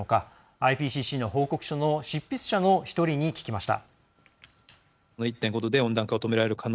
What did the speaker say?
ＩＰＣＣの報告書の執筆者の１人に聞きました。